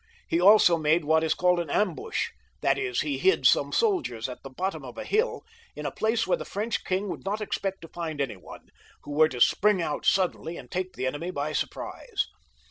He also made what is called an ambush, that is, he hid some soldiers at the bottom of a hiU, in a place where the French king would not expect to find any one, who were to sparing out suddenly, and take the enemy by sur prise.